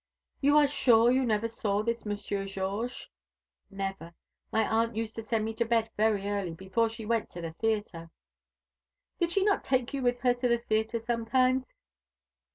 "You are sure you never saw this Monsieur Georges?" "Never. My aunt used to send me to bed very early, before she went to the theatre." "Did she not take you with her to the theatre sometimes?"